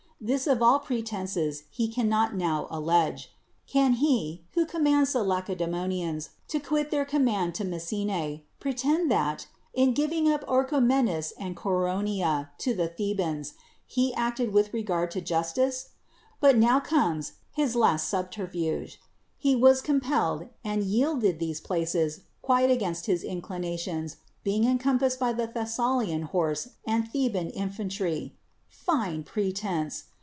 This of all pretenses he cannot now allege. Can he, who commands the Lacediemonians to quit their claim to Messene, pretend that, in giving up Orchomenus and Coronea to the Thebans, he acted from regard to justice? But now comes his last subterfuge. He was compelled, and yielded these places quite against his inclinations, being encompassed by the Thessalian horse and Theban infantry. Fine pretense!